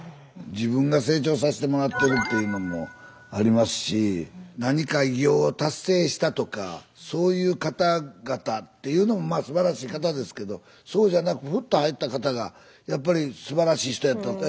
自分が成長させてもらってるっていうのもありますし何か偉業を達成したとかそういう方々っていうのもまあすばらしい方ですけどそうじゃなくふっと会った方がやっぱりすばらしい人やった。